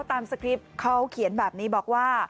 สคริปต์เขาเขียนแบบนี้บอกว่า